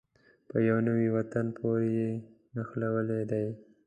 په يوه نوي وطن پورې یې نښلولې دي.